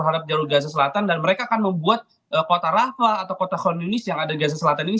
di gaza selatan dan mereka akan membuat kota rafah atau kota han yunis yang ada di gaza selatan ini